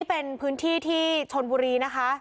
เป็นพื้นที่ที่ชนบุรีนะคะ